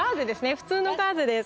普通のガーゼです。